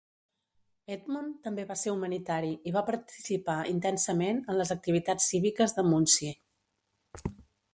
Edmund també va ser humanitari i va participar intensament en les activitats cíviques de Muncie.